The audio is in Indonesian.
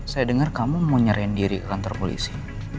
saya dengar kamu mau nyerahin diri ke kantor polisi